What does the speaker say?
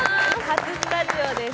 初スタジオです。